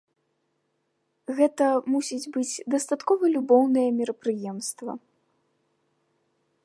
Гэта мусіць быць дастаткова любоўнае мерапрыемства.